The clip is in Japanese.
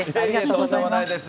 とんでもないです。